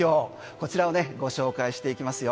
こちらをご紹介していきますよ。